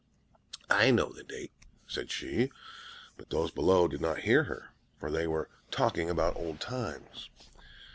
'I know the date,' said she; but those below did not hear her, for they were talking about old times.